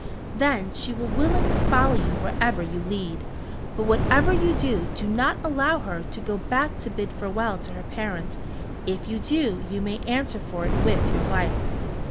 Then she will willingly follow you wherever you lead. But whatever you do do not allow her to go back to bid farewell to her parents. If you do you may answer for it with your life."